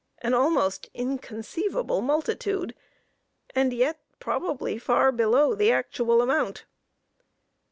an almost inconceivable multitude, and yet probably far below the actual amount.